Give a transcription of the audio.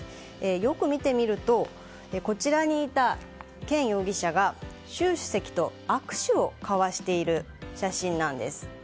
よく見てみるとこちらにいたケン容疑者が習主席と握手を交わしている写真なんです。